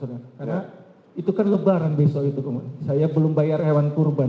karena itu kan lebaran besok itu saya belum bayar hewan kurban